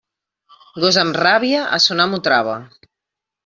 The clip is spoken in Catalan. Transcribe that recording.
Gos amb ràbia, a son amo trava.